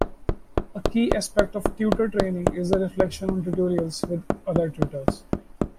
A key aspect of tutor training is the reflection on tutorials with other tutors.